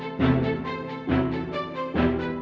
aku enggak punya pilihan lain